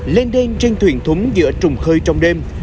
lên đen trên thuyền thúng giữa trùm khơi trong đêm